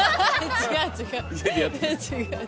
違う、違う。